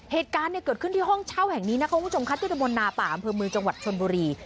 เหตุการณ์เนี่ยเกิดขึ้นที่ห้องเช่าแห่งนี้นะคะคุณผู้ชมค่ะที่ตะบนนาป่าอำเภอเมืองจังหวัดชนบุรี